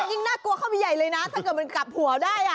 ยิ่งน่ากลัวเข้าไปใหญ่เลยนะถ้าเกิดมันกลับหัวได้